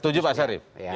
itu juga pak syarif